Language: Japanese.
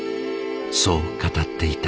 そう語っていた。